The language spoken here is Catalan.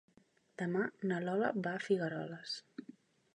Demà na Lola va a Figueroles.